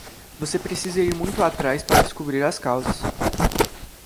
Você precisa ir muito atrás para descobrir as causas.